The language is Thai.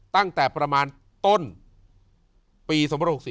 ตั้งแต่ประมาณต้นปี๒๖๔